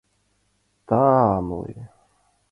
Та-амле...